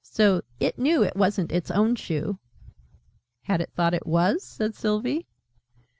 So it knew it wasn't its own Shoe." "Had it thought it was?" said Sylvie.